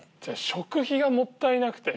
食費がもったいなくて。